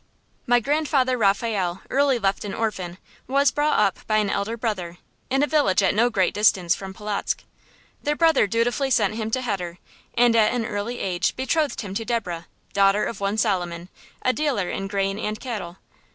My grandfather Raphael, early left an orphan, was brought up by an elder brother, in a village at no great distance from Polotzk. The brother dutifully sent him to heder, and at an early age betrothed him to Deborah, daughter of one Solomon, a dealer in grain and cattle.